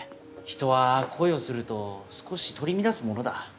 人は恋をすると少し取り乱すものだ。